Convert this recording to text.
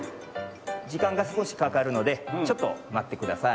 じかんがすこしかかるのでちょっとまってください。